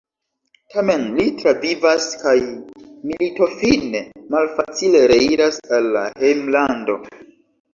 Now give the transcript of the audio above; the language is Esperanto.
Tamen, li travivas kaj militofine malfacile reiras al la hejmlando.